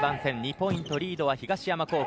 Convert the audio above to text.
ポイントリードは東山高校。